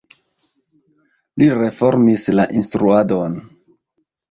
Li reformis la instruadon.